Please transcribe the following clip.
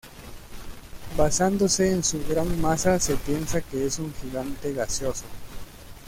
Basándose en su gran masa se piensa que es un gigante gaseoso.